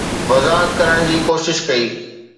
وضاحت ڪرڻ جي ڪوشش ڪئي